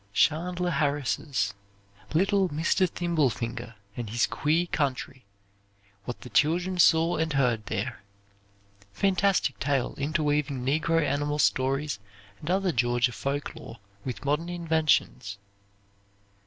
Chandler Harris' "Little Mr. Thimblefinger and His Queer Country; What the Children Saw and Heard There." Fantastic tale interweaving negro animal stories and other Georgia folklore with modern inventions.